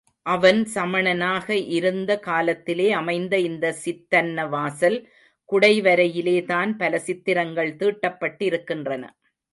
அவன் சமணனாக இருந்த காலத்திலே அமைந்த இந்த சித்தன்னவாசல் குடைவரையிலே தான் பல சித்திரங்கள் தீட்டப்பட்டிருக்கின்றன.